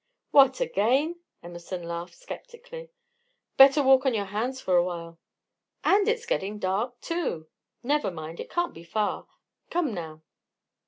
"What! again?" Emerson laughed skeptically. "Better walk on your hands for a while." "And it's getting dark, too." "Never mind. It can't be far. Come now."